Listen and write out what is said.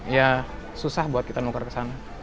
ya susah buat kita nukar ke sana